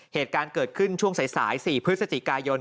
เหตุการณ์เกิดขึ้นช่วงสาย๔พฤศจิกายน